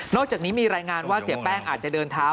อกจากนี้มีรายงานว่าเสียแป้งอาจจะเดินเท้า